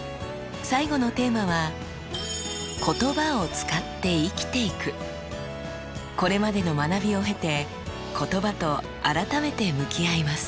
最後のテーマはこれまでの学びを経て言葉と改めて向き合います。